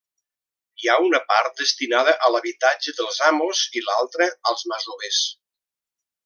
Hi ha una part destinada a l'habitatge dels amos i l'altra als masovers.